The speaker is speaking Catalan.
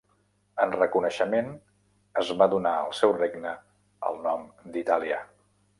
En reconeixement es va donar al seu regne el nom d'Itàlia.